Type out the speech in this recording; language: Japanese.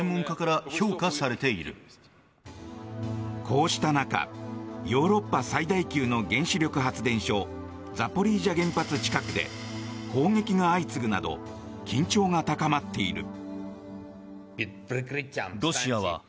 こうした中ヨーロッパ最大級の原子力発電所ザポリージャ原発近くで砲撃が相次ぐなど緊張が高まっている。